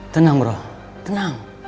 tenang bro tenang